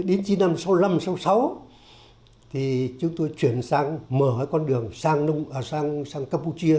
đến năm một nghìn chín trăm sáu mươi năm một nghìn chín trăm sáu mươi sáu chúng tôi chuyển sang mở con đường sang campuchia